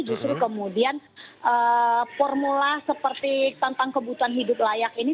justru kemudian formula seperti tentang kebutuhan hidup layak ini